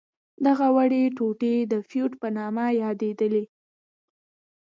دغه وړې ټوټې د فیوډ په نامه یادیدلې.